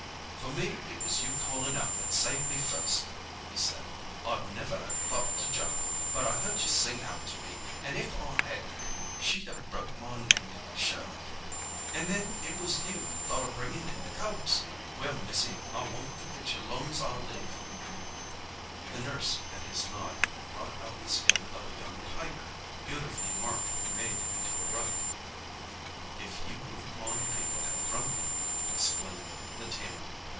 "For it was you callin' out that saved me first," he said. "I'd never 'a thought to jump, but I heard you sing out to me, an' if I hadn't she'd a broke my neck, sure. An' then it was you thought o' bringing in the cubs. Well, missy, I won't forget you long's I live." The nurse, at his nod, brought out the skin of a young tiger, beautifully marked and made into a rug. "If you wouldn't mind takin' that from me," explained the tamer.